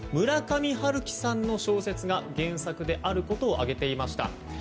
村上春樹さんの小説が原作であることを挙げていました。